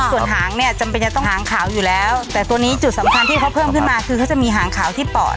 ส่วนหางเนี่ยจำเป็นจะต้องหางขาวอยู่แล้วแต่ตัวนี้จุดสำคัญที่เขาเพิ่มขึ้นมาคือเขาจะมีหางขาวที่ปอด